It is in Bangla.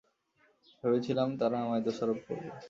ভেবেছিলাম তারা আমায় দোষারোপ করবে।